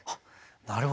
なるほど。